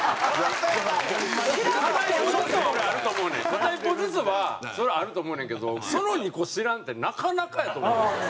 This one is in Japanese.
片一方ずつはそりゃあると思うねんけどその２個知らんってなかなかやと思うで。